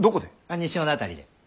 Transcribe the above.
西尾の辺りで。